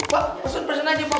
pak pesen pesen aja pak